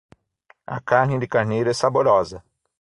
A carne de carneiro é saborosa